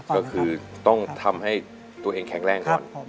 ก็คือต้องทำให้ตัวเองแข็งแรงก่อน